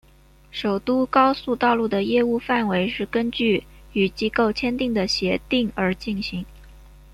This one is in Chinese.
首都高速道路的业务范围是根据与机构签订的协定而进行。